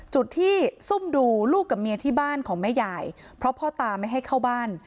จุดที่ซุ่มดูลูกกับเมียที่บ้านของแม่ยายเพราะพ่อตาไม่ให้เข้าบ้าน